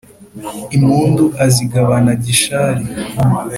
impundu azigabana gishari